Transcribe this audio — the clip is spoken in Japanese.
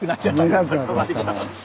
見えなくなりましたね。